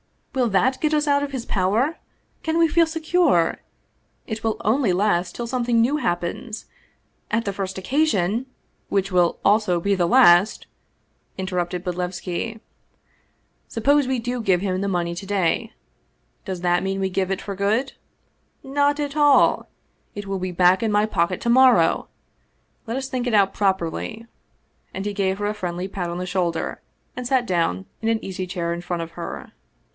"Will that get us out of his power? Can we feel secure? It will only last till something new hap pens. At the first occasion " "Which will also be the last!" interrupted Bodlevski. "Suppose we do give him the money to day; does that mean that we give it for good? Not at all! It will be back in my pocket to morrow! Let us think it out properly!"" and he gave her a friendly pat on the shoulder, and sat down in an easy chair in front of her.